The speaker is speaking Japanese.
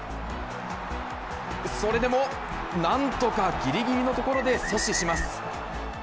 それでも、なんとかぎりぎりのところで阻止します。